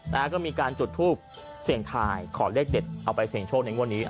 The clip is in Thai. นะฮะก็มีการจุดทูปเสี่ยงทายขอเลขเด็ดเอาไปเสี่ยงโชคในงวดนี้